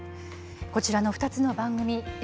こちらの２つの番組